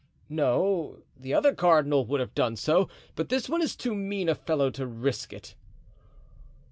"No, the other cardinal would have done so, but this one is too mean a fellow to risk it."